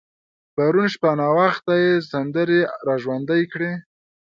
پرون شپه ناوخته يې سندرې را ژوندۍ کړې.